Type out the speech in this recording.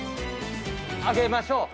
上げましょう。